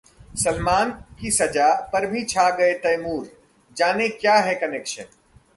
सलमान की सजा पर भी छा गए तैमूर, जानें क्या है कनेक्शन?